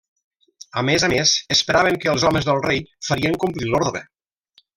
A més a més, esperaven que els homes del rei farien complir l'ordre.